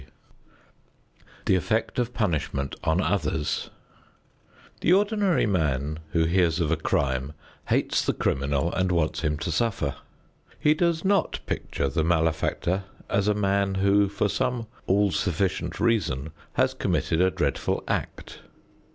XXI THE EFFECT OF PUNISHMENT ON OTHERS The ordinary man who hears of a crime hates the criminal and wants him to suffer. He does not picture the malefactor as a man who, for some all sufficient reason, has committed a dreadful act.